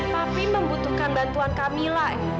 papi membutuhkan bantuan kamila